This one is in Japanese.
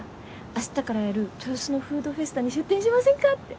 明日からやる豊洲のフードフェスタに出店しませんかって